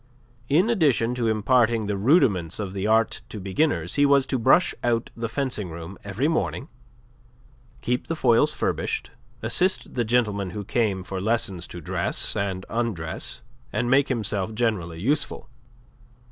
In addition to imparting the rudiments of the art to beginners, he was to brush out the fencing room every morning, keep the foils furbished, assist the gentlemen who came for lessons to dress and undress, and make himself generally useful.